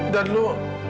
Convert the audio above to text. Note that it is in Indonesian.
terima kasih fadil